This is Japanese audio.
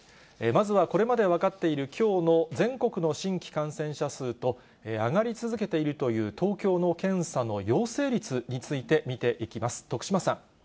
まずはこれまで分かっている、きょうの全国の新規感染者数と、上がり続けているという東京の検査の陽性率について見ていきます。